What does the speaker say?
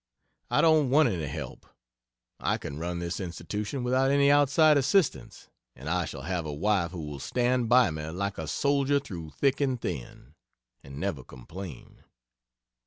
I don't want any help. I can run this institution without any outside assistance, and I shall have a wife who will stand by me like a soldier through thick and thin, and never complain.